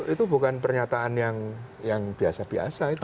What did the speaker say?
itu bukan pernyataan yang biasa biasa